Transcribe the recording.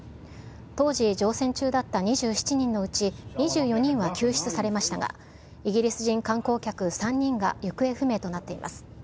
当時、乗船中だった２７人のうち２４人は救出されましたが、イギリス人観光客３人が行方不明となっています。